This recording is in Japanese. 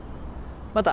また。